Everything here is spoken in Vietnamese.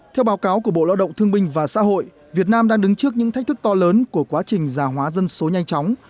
theo báo cáo của bộ lao động thương minh và xã hội việt nam đang đứng trước những thách thức to lớn của quá trình già hóa dân số nhanh chóng